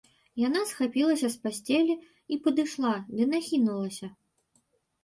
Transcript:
Яна схапілася з пасцелі і падышла ды нахінулася.